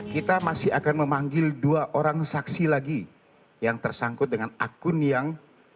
kita masih akan memanggil dua orang saksi lagi yang tersangkut dengan akun yang